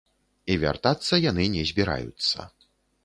І вяртацца яны не збіраюцца.